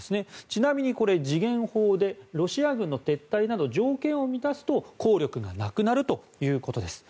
ちなみにこれ、時限法でロシア軍の撤退など条件を満たすと効力がなくなるということです。